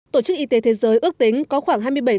tổ chức y tế thế giới ước tính có khoảng hai mươi bảy